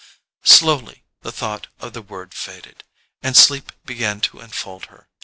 Slowly the thought of the word faded, and sleep began to enfold her.